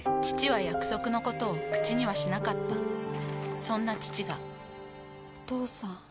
父は約束のことを口にはしなかったそんな父がお父さん。